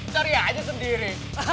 cari aja sendiri